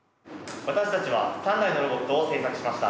私たちは３台のロボットを製作しました。